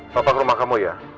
papa ke rumah kamu ya